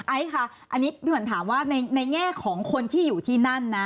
ไอซ์ค่ะอันนี้พี่ขวัญถามว่าในแง่ของคนที่อยู่ที่นั่นนะ